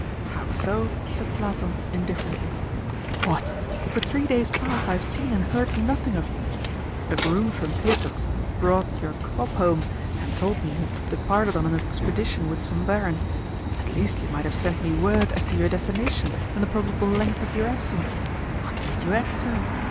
"How so?" said Platon indifferently. "What? For three days past I have seen and heard nothing of you! A groom from Pietukh's brought your cob home, and told me you had departed on an expedition with some barin. At least you might have sent me word as to your destination and the probable length of your absence. What made you act so?